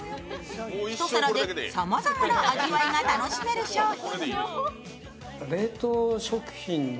一皿でさまざまな味わいが楽しめる商品。